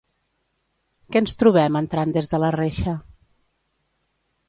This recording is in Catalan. Què ens trobem entrant des de la reixa?